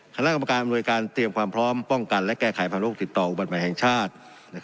คณะกรรมการอำนวยการเตรียมความพร้อมป้องกันและแก้ไขผ่านโรคติดต่ออุบัติใหม่แห่งชาติ